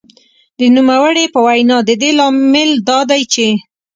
د نوموړې په وینا د دې لامل دا دی چې